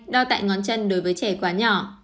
đo tại ngón chân đối với trẻ quá nhỏ